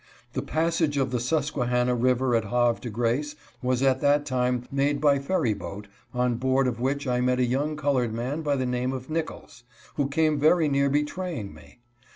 The passage of the Susquehanna river at Havre de Grace was at that time made by ferry boat, on board of which I met a young colored man by the name of Nichols, who came very near betraying me.